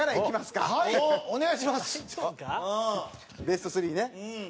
ベスト３ね。